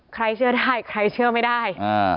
เชื่อได้ใครเชื่อไม่ได้